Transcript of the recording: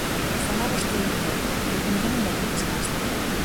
Fala vostede de loita, pero con que nivel de desgaste?